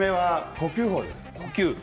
呼吸法です。